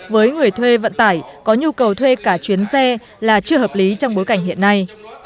với người thuê vận tải có nhu cầu thuê cả chuyến xe là chưa hợp lý trong bối cảnh hiện nay